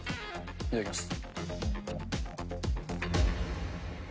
いただきます。